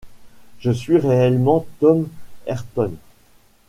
Je suis réellement Tom Ayrton.